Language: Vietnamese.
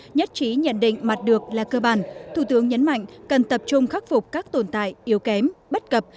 nhất trí nhận định mặt được là cơ bản thủ tướng nhấn mạnh cần tập trung khắc phục các tồn tại yếu kém bất cập